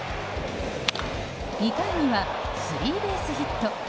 ２回にはスリーベースヒット。